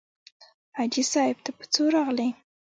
حاجي صاحب ته په څو راغلې.